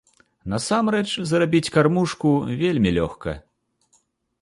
Насамрэч, зрабіць кармушку вельмі лёгка.